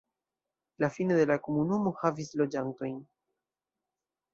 La Fine de la komunumo havis loĝantojn.